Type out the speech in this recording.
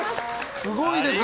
すごいですよ。